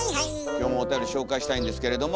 今日もおたより紹介したいんですけれども。